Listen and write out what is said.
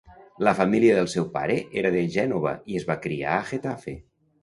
La família del seu pare era de Gènova i es va criar a Getafe.